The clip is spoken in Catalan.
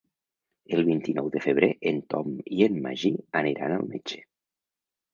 El vint-i-nou de febrer en Tom i en Magí aniran al metge.